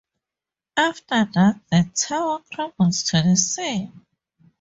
After that, the tower crumbles to the sea.